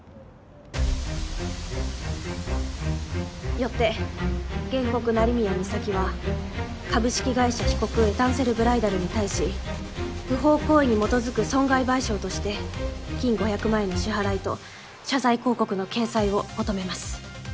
よって原告成宮美咲は株式会社被告エタンセルブライダルに対し不法行為に基づく損害賠償として金５００万円の支払いと謝罪広告の掲載を求めます。